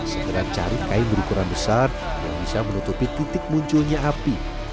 segera cari kain berukuran besar yang bisa menutupi titik munculnya api